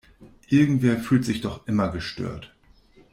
Irgendwer fühlt sich doch immer gestört.